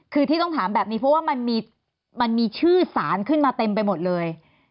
คือที่ต้องถามแบบนี้เพราะว่ามันมีชื่อสารขึ้นมาเต็มไปหมดเลย